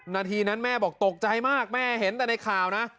นาทีนั้นแม่บอกตกใจมากแม่เห็นแต่ในข่าวนะ